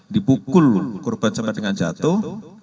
dipukul korban sampai dengan jatuh